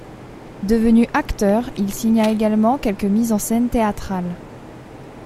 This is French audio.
Devenu acteur, il signa également quelques mises en scène théâtrales.